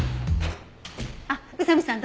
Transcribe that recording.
あっ宇佐見さん